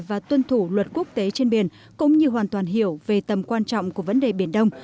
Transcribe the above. và tuân thủ luật quốc tế trên biển cũng như hoàn toàn hiểu về tầm quan trọng của vấn đề biển đông